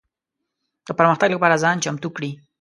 د پرمختګ لپاره ځان چمتو کړي.